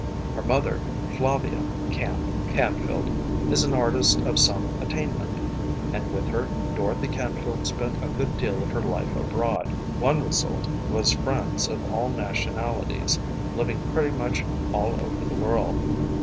Her mother, Flavia (Camp) Canfield, is an artist of some attainment and with her Dorothy Canfield spent a good deal of her life abroad. The result one result was friends of all nationalities living pretty much all over the world.